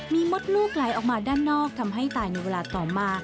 มีมดลูกไหลออกมาด้านนอกทำให้ตายในเวลาต่อมา